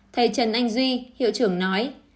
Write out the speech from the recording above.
thầy trần anh duy hiệu trưởng nói